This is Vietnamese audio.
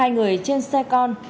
hai người trên xe con